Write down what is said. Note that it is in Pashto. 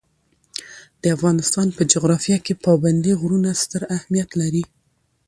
د افغانستان په جغرافیه کې پابندي غرونه ستر اهمیت لري.